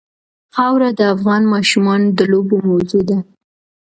خاوره د افغان ماشومانو د لوبو موضوع ده.